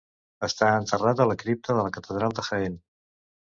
Està enterrat a la cripta de la Catedral de Jaén.